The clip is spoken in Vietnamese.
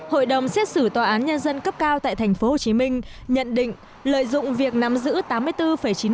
hội đồng xét xử tòa án nhân dân cấp cao tp hcm nhận định lợi dụng việc nắm giữ tám mươi bốn chín mươi hai